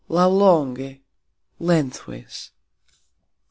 "Lauxlonge", lengthways.